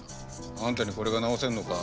あんたにこれが治せんのか？